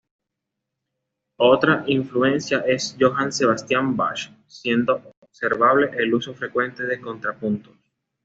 Otra influencia es Johann Sebastian Bach, siendo observable el uso frecuente de contrapuntos.